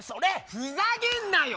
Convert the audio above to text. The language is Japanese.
ふざけんなよ！